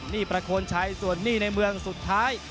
นี่ประโคนชัยส่วนหนี้ในเมืองสุดท้าย